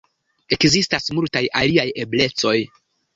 Ekzistas multaj aliaj eblecoj.